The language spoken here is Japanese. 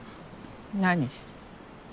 何？